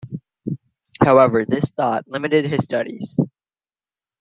However, this thought limited his studies.